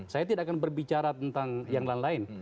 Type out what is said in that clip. saya tidak akan berbicara tentang yang lain lain